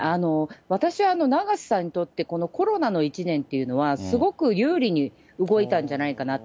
私は永瀬さんにとって、このコロナの１年っていうのは、すごく有利に動いたんじゃないかなと。